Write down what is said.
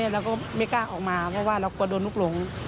เราก็ไม่กล้าออกมาเพราะว่าเรากลัวโดนลูกหลง